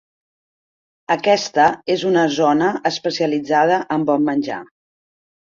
Aquesta és una zona especialitzada en bon menjar.